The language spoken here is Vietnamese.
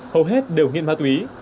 hầu hết đều nghiện ma túy